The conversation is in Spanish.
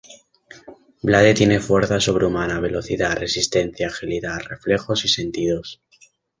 Blade tiene fuerza sobrehumana, velocidad, resistencia, agilidad, reflejos y sentidos.